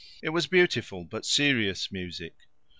It was beautiful but serious music.